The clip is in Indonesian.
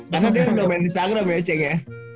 karena dia udah main di instagram ya ceknya